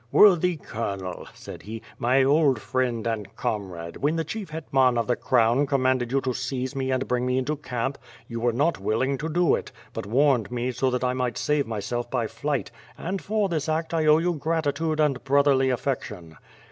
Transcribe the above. "Worthy Colonel," said he, "my old friend and comrade, when the Chief ITetman of the Crown commanded you to seize me and bring me into camp, you were not willing to do it, but warned me so that I might save myself by flight, and for this act I owe you gratitude and brotherly affection."